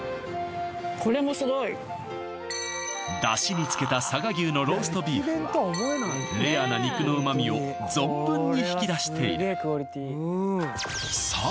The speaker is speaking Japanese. ダシに漬けた佐賀牛のローストビーフはレアな肉の旨みを存分に引き出しているさあ